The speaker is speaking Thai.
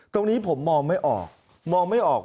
ตรงนี้ผมมองไม่ออก